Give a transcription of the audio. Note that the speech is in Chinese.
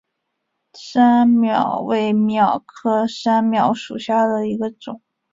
山蓼为蓼科山蓼属下的一个种。